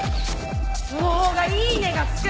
その方がいいねがつく。